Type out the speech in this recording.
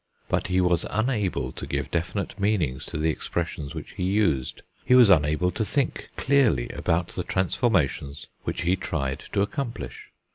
But he was unable to give definite meanings to the expressions which he used, he was unable to think clearly about the transformations which he tried to accomplish.